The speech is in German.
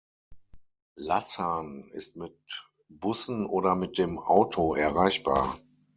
Lassan ist mit Bussen oder mit dem Auto erreichbar.